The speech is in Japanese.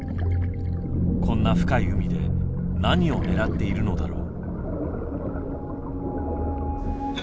こんな深い海で何を狙っているのだろう？